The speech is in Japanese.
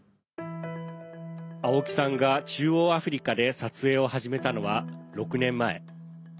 青木さんが中央アフリカで撮影を始めたのは６年前。